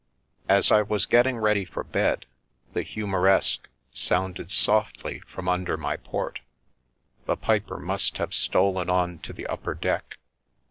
As I was getting ready for bed the a Humoreske " sounded softly from under my port — the piper must have stolen on to the upper deck.